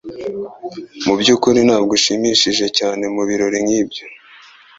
Mubyukuri ntabwo ushimishije cyane mubirori, nibyo?